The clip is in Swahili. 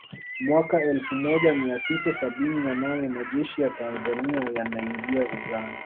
Mwaka elfu moja mia tisa sabini na nane Majeshi ya Tanzania yanaingia Uganda